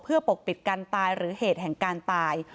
เพื่อปกปิดการตายหรือเหตุแห่งการตาย